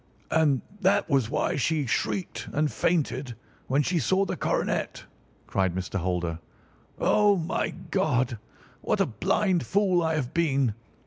"And that was why she shrieked and fainted when she saw the coronet," cried Mr. Holder. "Oh, my God! what a blind fool I have been!